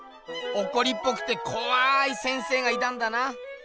おこりっぽくてこわい先生がいたんだな。